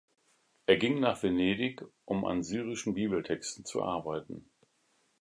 Er ging nach Venedig, um an syrischen Bibeltexten zu arbeiten.